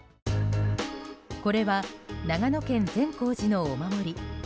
これは長野県、善光寺のお守り。